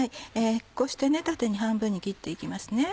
こうして縦に半分に切って行きます。